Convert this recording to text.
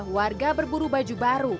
warga berburu baju baru